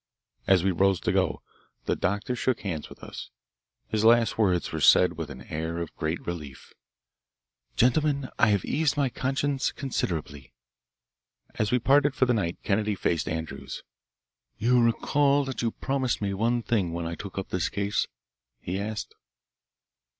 As we rose to go, the doctor shook hands with us. His last words were said with an air of great relief, "Gentlemen, I have eased my conscience considerably." As we parted for the night Kennedy faced Andrews. "You recall that you promised me one thing when I took up this case?" he asked.